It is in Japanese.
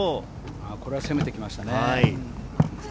これは攻めてきましたね。